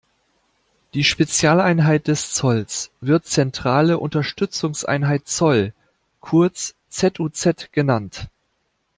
Die Spezialeinheit des Zolls wird zentrale Unterstützungseinheit Zoll, kurz Z-U-Z, genannt.